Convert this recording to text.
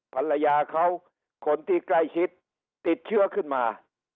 ภรรยาเขาคนที่ใกล้ชิดติดเชื้อขึ้นมา